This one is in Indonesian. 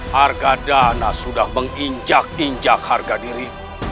harga dana sudah menginjak injak harga diri